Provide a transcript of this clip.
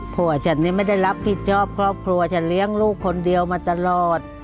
ผัวฉันนี่ไม่ได้รับผิดชอบครอบครัวฉันเลี้ยงลูกคนเดียวมาตลอด